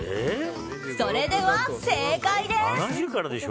それでは、正解です。